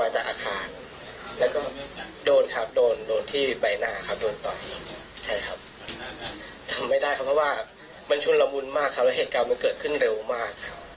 ใช่ครับเหตุการณ์มันชุลมุนมากแล้วเหตุการณ์มันเกิดขึ้นเร็วมาก